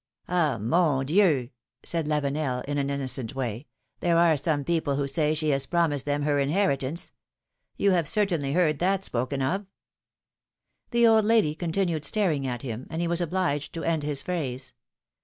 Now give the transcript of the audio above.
^'Ah ! mon Dieu!^^ said Lavenel, in an innocent way, there are some people who say she has promised them her inheritance. You have certainly heard that spoken of?^^ The old lady continued staring at him, and he was obliged to end his phrase.